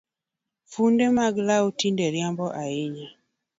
Funde mag law tinde riambo ahinya